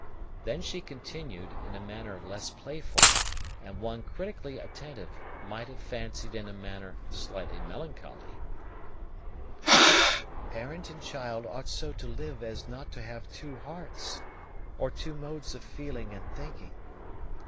Then she continued, in a manner less playful, and one critically attentive might have fancied in a manner slightly melancholy, "Parent and child ought so to live as not to have two hearts, or two modes of feeling and thinking.